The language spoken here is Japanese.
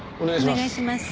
お願いします。